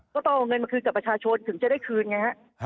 ต้องเอาเงินมาคืนกับประชาชนถึงจะได้คืนไงฮะ